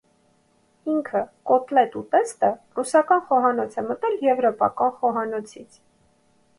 Ինքը՝ «կոտլետ» ուտեստը, ռուսական խոհանոց է մտել եվրոպական խոհանոցից։